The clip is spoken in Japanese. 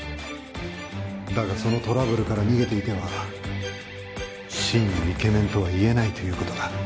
だがそのトラブルから逃げていては真のイケメンとは言えないという事だ。